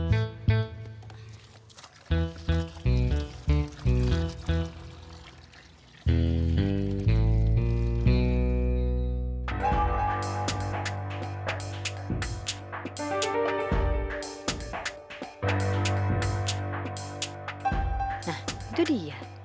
nah itu dia